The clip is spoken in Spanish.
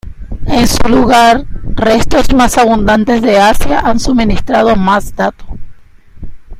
En su lugar, restos más abundantes de Asia han suministrado más datos.